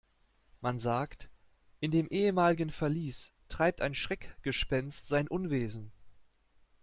Man sagt, in dem ehemaligen Verlies treibt ein Schreckgespenst sein Unwesen.